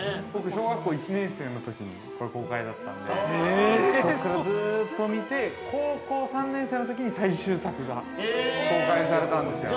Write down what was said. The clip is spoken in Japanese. ◆小学校１年生のときにこれが公開だったので、そこからずっと見て、高校３年生のときに最終作が公開されたんですよ。